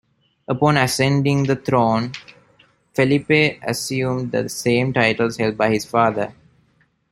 Upon ascending the throne, Felipe assumed the same titles held by his father.